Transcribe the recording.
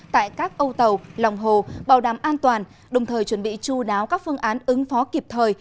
tại các ô tàu lòng hồ bảo đảm an toàn đồng thời chuẩn bị chú đáo các phương án ứng phó kịp thời